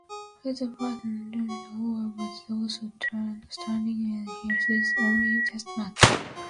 Wyeth's partner, James Orr, was also standing in his only Test match.